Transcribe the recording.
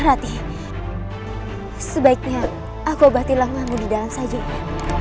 rati sebaiknya aku abah tilangmu di dalam sajanya